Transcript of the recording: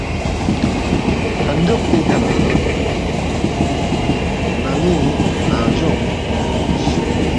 ہندوق پیکھہ نہ نن٘ی ننگجونگ اونگس